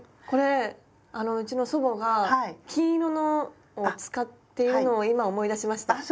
これうちの祖母が金色のを使っているのを今思い出しました。